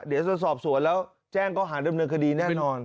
เดี๋ยวจะสอบสวนแล้วแจ้งก็หาดำเนินคดีแน่นอน